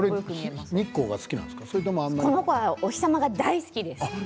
この子はお日様が大好きです。